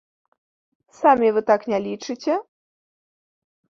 Самі вы так не лічыце?